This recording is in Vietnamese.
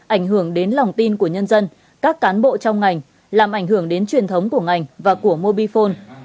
ảnh hưởng đến lòng tin của nhân dân các cán bộ trong ngành làm ảnh hưởng đến truyền thống của ngành và của mobifone